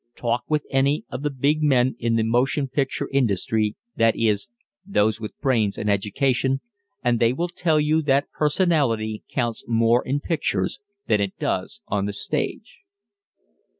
Talk with any of the big men in the motion picture industry, that is, those with brains and education, and they will tell you that personality counts more in pictures than it does on the stage.